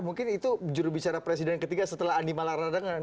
mungkin itu jurubicara presiden ketiga setelah andi malaradangan